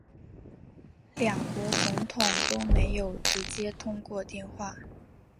两国总统都没有直接通过电话